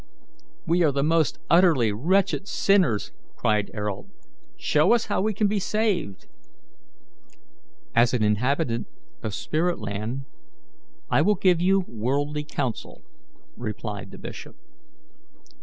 "We are the most utterly wretched sinners!" cried Ayrault. "Show us how we can be saved." "As an inhabitant of spirit land, I will give you worldly counsel," replied the bishop.